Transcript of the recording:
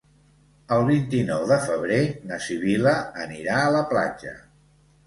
El vint-i-nou de febrer na Sibil·la anirà a la platja.